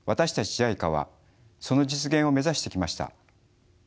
ＪＩＣＡはその実現を目指してきました。